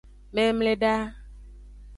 Memleda.